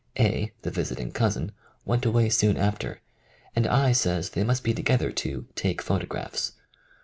A., the visiting cousin, went away soon after, and I. says they must be together to '* take photographs.